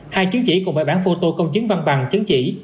hai chứng chỉ cùng bảy bản phô tô công chứng văn bằng chứng chỉ